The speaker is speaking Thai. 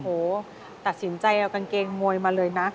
โอ้โหตัดสินใจเอากางเกงมวยมาเลยนะ